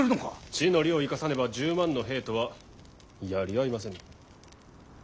地の利を生かさねば１０万の兵とはやり合えませぬ。